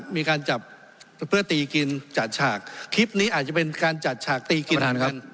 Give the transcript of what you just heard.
มีการจับเพื่อตีกินจัดฉากคลิปนี้อาจจะเป็นการจัดฉากตีกิน